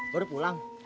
lo udah pulang